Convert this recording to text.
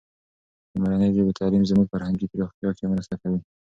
د مورنۍ ژبې تعلیم زموږ فرهنګي پراختیا کې مرسته کوي.